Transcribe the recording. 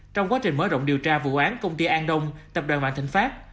trong quá trình mở rộng điều tra vụ án công ty an đông tập đoàn vạn thịnh pháp